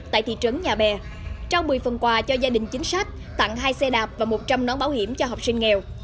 tại thị trấn nhà bè trao một mươi phần quà cho gia đình chính sách tặng hai xe đạp và một trăm linh nón bảo hiểm cho học sinh nghèo